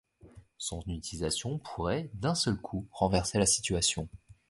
Son utilisation pourrait, d’un seul coup, renverser la situation.